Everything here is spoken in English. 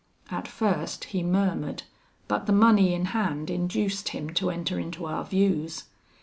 At first he murmured, but the money in hand induced him to enter into our views.